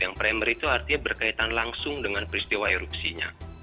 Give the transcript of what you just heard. yang primer itu artinya berkaitan langsung dengan peristiwa erupsinya